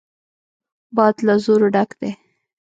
باد له زور ډک دی.